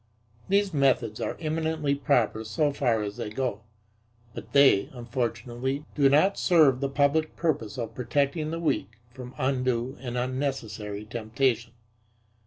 These methods are eminently proper so far as they go, but they, unfortunately, do not serve the public purpose of protecting the weak from undue and unnecessary temptation.